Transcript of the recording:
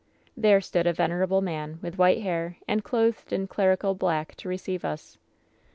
"There stood a venerable man, with white hair, and clothed in clerical black, to receive us.